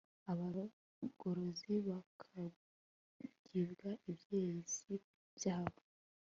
abarogozi bakagabirwa ibyezi byabo